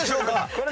これ？